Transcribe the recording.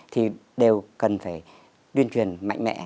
thì đều cần phải tuyên truyền mạnh mẽ